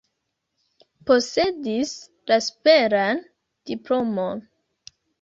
Posedis la superan diplomon.